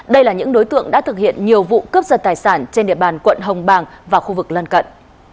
đây là những đối tượng đã thực hiện nhiều vụ cướp giật tài sản trên địa bàn quận hồng bàng và khu vực lân cận